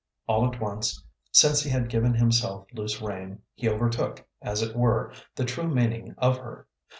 All at once, since he had given himself loose rein, he overtook, as it were, the true meaning of her.